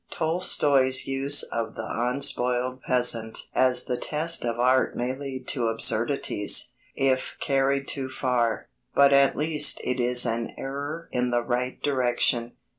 Tolstoy's use of the unspoiled peasant as the test of art may lead to absurdities, if carried too far. But at least it is an error in the right direction.